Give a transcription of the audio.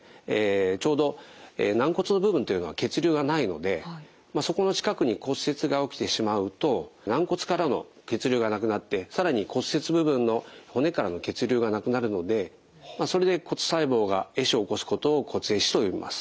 ちょうど軟骨の部分というのは血流がないのでそこの近くに骨折が起きてしまうと軟骨からの血流がなくなって更に骨折部分の骨からの血流がなくなるのでそれで骨細胞が壊死を起こすことを骨壊死と呼びます。